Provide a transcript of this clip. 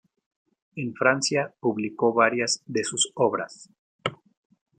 En Francia publicó varias de sus obras.